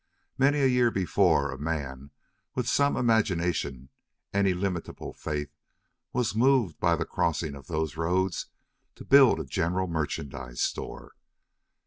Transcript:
Many a year before a man with some imagination and illimitable faith was moved by the crossing of those roads to build a general merchandise store.